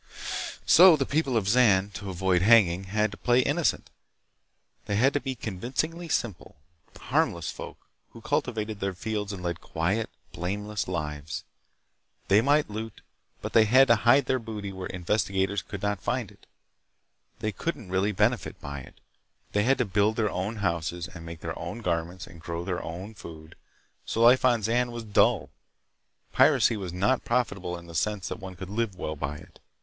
So the people of Zan, to avoid hanging, had to play innocent. They had to be convincingly simple, harmless folk who cultivated their fields and led quiet, blameless lives. They might loot, but they had to hide their booty where investigators would not find it. They couldn't really benefit by it. They had to build their own houses and make their own garments and grow their own food. So life on Zan was dull. Piracy was not profitable in the sense that one could live well by it.